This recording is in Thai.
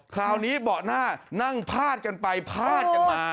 คราวนี้เบาะหน้านั่งพาดกันไปพาดกันมา